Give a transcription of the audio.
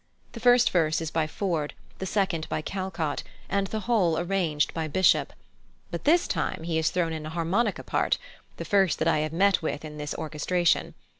The first verse is by Ford, the second by Calcott, and the whole arranged by Bishop; but this time he has thrown in a harmonica part, the first that I have met with in this orchestration.